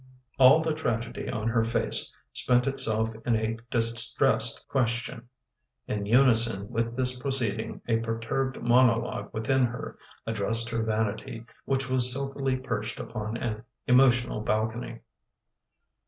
All the tragedy on her face spent itself in a distressed question. In unison with this proceeding a perturbed monologue within her addressed her vanity which was silkily perched upon an emotional balcony.